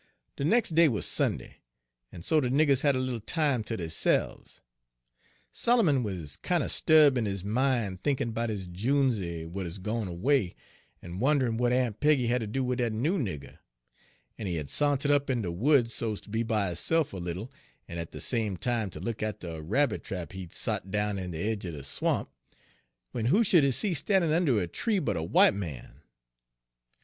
"De nex' day wuz Sunday, en so de niggers had a little time ter deyse'ves. Solomon wuz kinder 'sturb' in his min' thinkin' 'bout his junesey w'at 'uz gone away, en wond'rin' w'at Aun' Peggy had ter do wid dat noo nigger; en he had sa'ntered up in de woods so's ter be by hisse'f a little, en at de same time ter look atter a rabbit trap he 'd sot down in de aidge er de swamp, w'en who sh'd he see stan'in' unner a tree but a w'ite man.